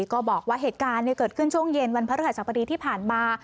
ก็บอกว่าเหตุการณ์เกิดขึ้นช่วงเย็นวันพระรหัสบดีที่ผ่านมา